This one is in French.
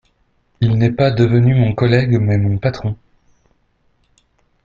Il n’est pas devenu mon collègue, mais mon patron.